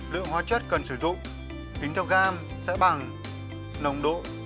lượng hóa chất cần sử dụng tính theo gam sẽ bằng nồng độ